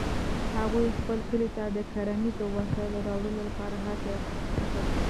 هغوی خپل کلي ته د کرنیزو وسایلو راوړلو لپاره هڅې او کوښښونه کوي